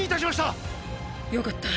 よかった。